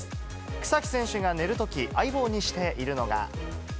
草木選手が寝るとき、相棒にしているのが。